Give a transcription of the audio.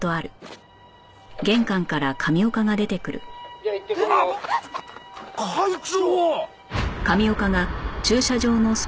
「じゃあ行ってくるよ」会長！？